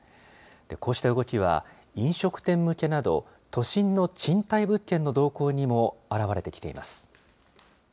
こうした動きは、飲食店向けなど、都心の賃貸物件の動向にも表れてきています。